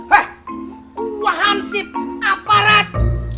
he kuahan si aparat